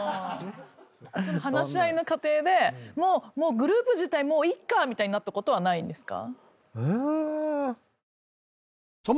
話し合いの過程でグループ自体もういっかみたいになったことはないんですか？